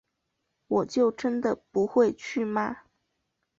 我就真的不会去吗